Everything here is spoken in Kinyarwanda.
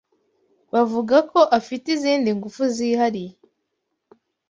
bavuga ko afite izindi ngufu zihariye